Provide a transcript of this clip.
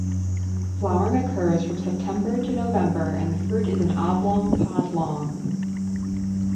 Flowering occurs from September to November and the fruit is an oblong pod long.